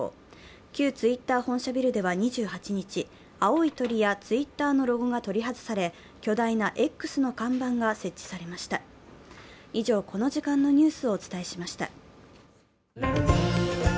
旧Ｔｗｉｔｔｅｒ本社ビルでは２８日、青い鳥やＴｗｉｔｔｅｒのロゴが取り外され、巨大な「Ｘ」の看板が設置されましたやさしいマーン！！